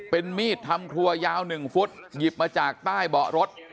เป็นมีดทำครัวยาว๑ฟุตหยิบมาจากใต้เบาะรถ